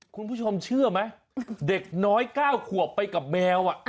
คุณผู้ชมเชื่อไหมเด็กน้อย๙ขวบไปกับแมว